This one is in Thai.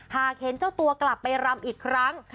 หากเห็นเจ้าตัวกลับไปรำอีกครั้ง